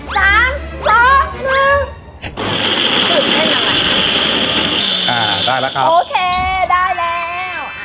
สามสองหนึ่งอ่าได้แล้วครับโอเคได้แล้วอ่า